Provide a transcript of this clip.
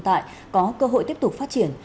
và hiện tại có cơ hội tiếp tục phát triển